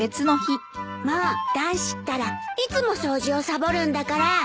もう男子ったらいつも掃除をサボるんだから。